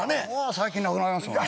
最近なくなりましたね